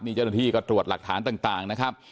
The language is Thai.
นี่เจ้าหน้าที่ก็ตรวจหลักฐานต่างนะครับ